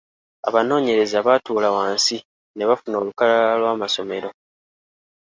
Abanoonyereza baatuula wansi ne bafuna olukalala lw’amasomero.